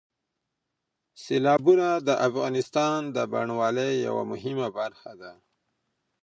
سیلابونه د افغانستان د بڼوالۍ یوه مهمه برخه ده.